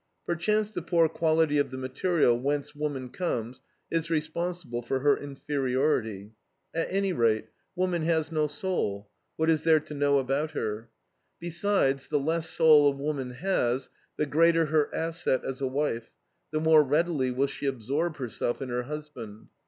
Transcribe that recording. Perchance the poor quality of the material whence woman comes is responsible for her inferiority. At any rate, woman has no soul what is there to know about her? Besides, the less soul a woman has the greater her asset as a wife, the more readily will she absorb herself in her husband.